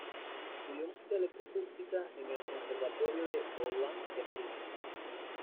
Estudió música electroacústica en el conservatorio de Boulogne de París.